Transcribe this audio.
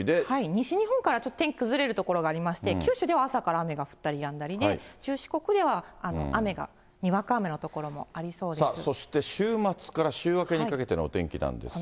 西日本からちょっと天気崩れる所がありまして、九州では朝から雨が降ったりやんだりで、四国では雨が、さあそして、週末から週明けにかけてのお天気なんですが。